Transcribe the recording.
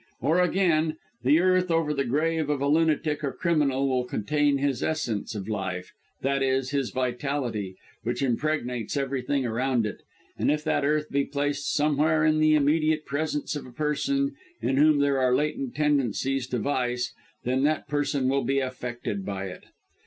"Or again, the earth over the grave of a lunatic or criminal will contain his essence of life, i.e. his vitality, which impregnates everything around it, and if that earth be placed somewhere in the immediate presence of a person, in whom there are latent tendencies to vice then that person will be affected by it.